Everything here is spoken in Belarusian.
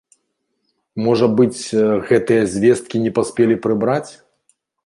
Можа быць, гэтыя звесткі не паспелі прыбраць?